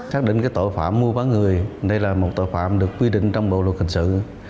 xác định tội phạm mua bán người đây là một tội phạm được quy định trong bộ luật hình sự